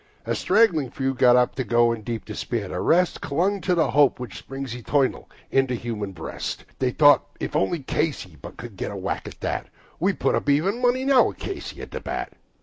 A straggling few got up to go in deep despair. The rest Clung to that hope which springs eternal in the human breast: They thought if only Casey could but get a whack at that, They'd put up even money now, with Casey at the bat.